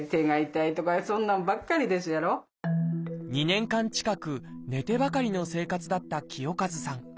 ２年間近く寝てばかりの生活だった清和さん。